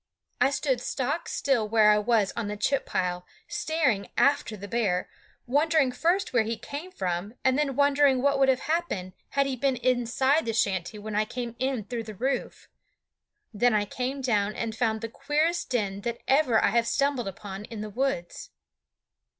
I stood stock still where I was on the chip pile, staring after the bear, wondering first where he came from, and then wondering what would have happened had he been inside the shanty when I came in through the roof. Then I came down and found the queerest den that ever I have stumbled upon in the woods.